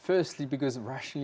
itu jawaban rasional